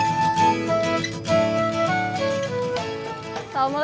udah tersedia di mana mana